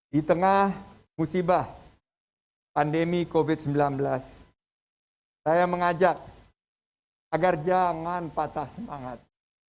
di tengah musibah pandemi covid sembilan belas saya mengajak agar jangan patah semangat